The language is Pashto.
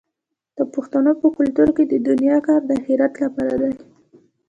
د پښتنو په کلتور کې د دنیا کار د اخرت لپاره دی.